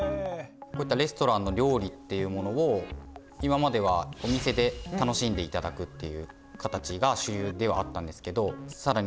こういったレストランの料理っていうものを今まではお店で楽しんでいただくっていう形が主流ではあったんですけどさらに